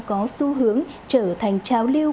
có xu hướng trở thành trao lưu